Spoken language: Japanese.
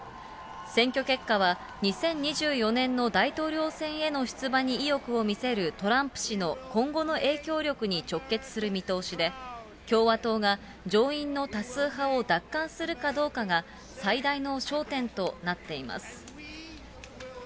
選挙結果は、２０２４年の大統領選への出馬に意欲を見せるトランプ氏の今後の影響力に直結する見通しで、共和党が上院の多数派を奪還するかどうかが最大の焦点となっています。